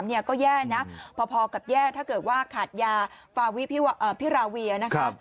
ประเทศนี้ก็แย่นะพอกับแย่ถ้าเกิดว่าขาดยาฟาวิพีราเวีย